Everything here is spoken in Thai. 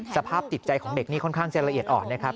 สภาพจิตใจของเด็กนี่ค่อนข้างจะละเอียดอ่อนนะครับ